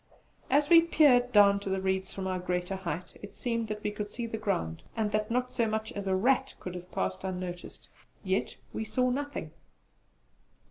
As we peered down to the reeds from our greater height it seemed that we could see the ground and that not so much as a rat could have passed unnoticed. Yet we saw nothing!